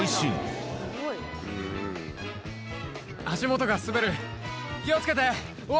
足元が滑る気を付けて。